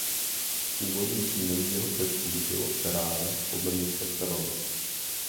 Původní příjmení jeho předků bylo Perara podle města Přerova.